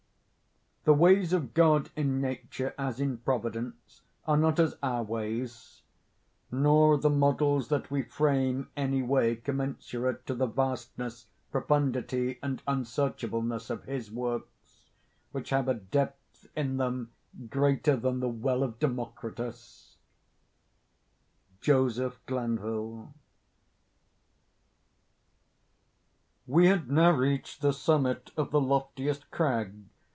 The ways of God in Nature, as in Providence, are not as our ways; nor are the models that we frame any way commensurate to the vastness, profundity, and unsearchableness of His works, which have a depth in them greater than the well of Democritus. —Joseph Glanville. We had now reached the summit of the loftiest crag.